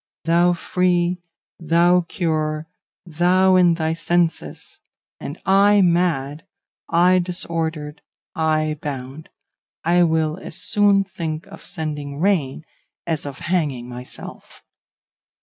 Thou free, thou cured, thou in thy senses! and I mad, I disordered, I bound! I will as soon think of sending rain as of hanging myself.